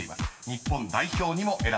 ［日本代表にも選ばれました］